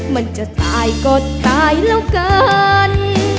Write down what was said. มันจะตายก็ตายแล้วเกิน